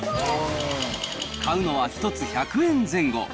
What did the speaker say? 買うのは１つ１００円前後。